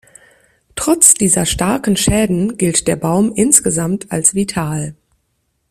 Trotz dieser starken Schäden gilt der Baum insgesamt als vital.